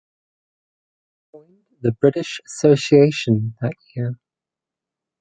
He joined the British Association that year.